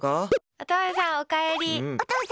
お父さん、おかえり！